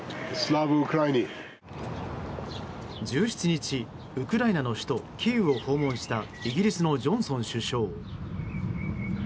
１７日、ウクライナの首都キーウを訪問したイギリスのジョンソン首相。